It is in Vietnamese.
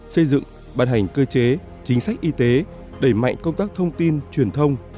xây dựng bàn hành cơ chế chính sách y tế đẩy mạnh công tác thông tin truyền thông